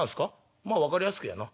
「まあ分かりやすく言やあな」。